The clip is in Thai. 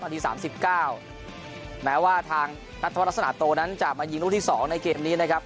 นาทีสามสิบเก้าแม้ว่าทางนัทธวัฒน์ลักษณะโตนั้นจะมายิงลูกที่สองในเกมนี้นะครับ